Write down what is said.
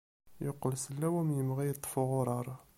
Yeqqel sellaw am yemɣi yeṭṭef uɣurar.